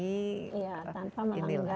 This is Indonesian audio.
iya tanpa melanggar ketentuan internasional